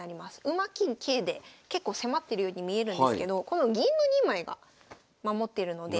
馬金桂で結構迫ってるように見えるんですけど銀の２枚が守ってるので。